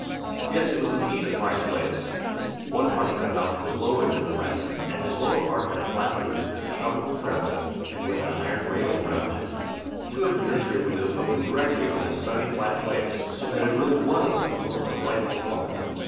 Yes, it was indeed a fine place. One part of the house was lower than the rest, and this lower part had a flat roof, covered with gravel, and with an iron railing round it. Two of the nursery windows opened directly on this sunny flat place, so that it really was a most delightful spot.